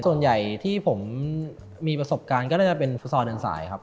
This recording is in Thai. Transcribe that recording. ส่วนใหญ่ที่ผมมีประสบการณ์ก็น่าจะเป็นฟุตซอลเดินสายครับ